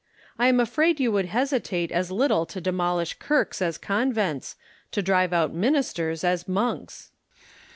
I am afraid you would hesitate as little to demolish kirks as convents, to drive out ministers as monks.